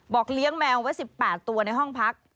เลี้ยงแมวไว้๑๘ตัวในห้องพัก